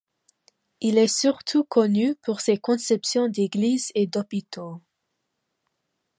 Il est surtout connu pour ses conceptions d'églises et d'hôpitaux.